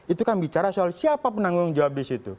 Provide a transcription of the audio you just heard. itu kan bicara soal siapa penanggung jawab disitu